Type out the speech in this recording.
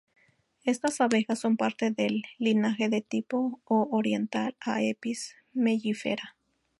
Estas abejas son parte del linaje de tipo O oriental de "Apis mellifera".